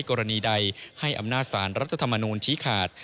กรณีใดให้อำนาจสารรัฐธรรมนูญชี้ขาด